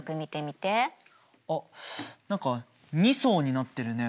あっ何か２層になってるね。